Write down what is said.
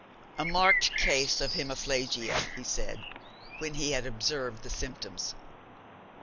'A marked case of hemiplegia,' he said, when he had observed the symptoms.